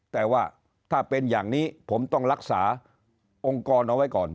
แต่ว่าถ้าเป็นอย่างนี้ผมต้องรักษาองค์กรเอาไว้ก่อน